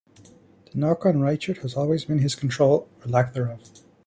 The knock on Reichert has always been his control, or lack thereof.